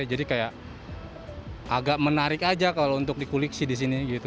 jadi kayak agak menarik aja kalau untuk dikulik sih di sini gitu